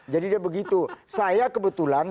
jadi dia begitu saya kebetulan